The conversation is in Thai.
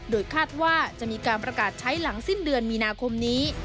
โดยคาดว่าจะมีการประกาศใช้หลังสิ้นเดือนมีนาคมนี้